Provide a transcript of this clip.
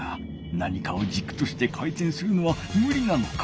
何かをじくとして回転するのはむりなのか。